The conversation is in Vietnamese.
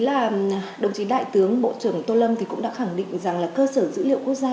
đó là đồng chí đại tướng bộ trưởng tô lâm thì cũng đã khẳng định rằng là cơ sở dữ liệu quốc gia